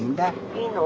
いいの？